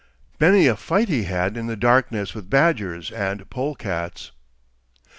Many a fight he had in the darkness with badgers and pole cats.